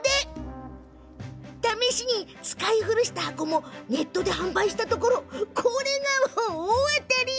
試しに使い古した箱もネットで販売したところこれが大当たり。